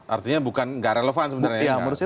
artinya bukan nggak relevan sebenarnya ya